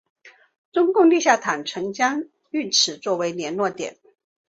中共地下党曾将该浴池作为联络点。